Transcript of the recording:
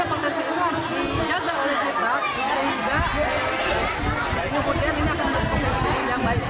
alamnya yang masih natural masih terjaga